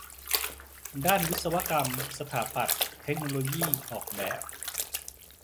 ด้านวิศวกรรม สถาปัตย์ เทคโนโลยี ออกแบบ